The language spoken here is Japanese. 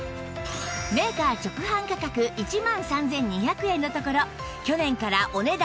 メーカー直販価格１万３２００円のところ去年からお値段